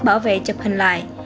bảo vệ chụp hình lại